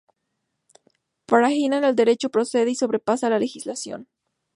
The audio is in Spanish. Para Hayek, "el Derecho" precede y sobrepasa "la legislación".